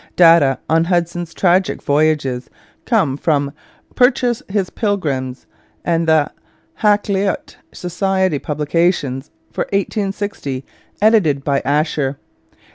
Data on Hudson's tragic voyages come from Purchas His Pilgrimes and the Hakluyt Society Publications for 1860 edited by Asher.